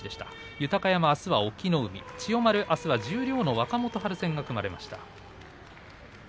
豊山あすは隠岐の海千代丸はあすは十両の若元春戦です。